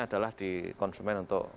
adalah di konsumen untuk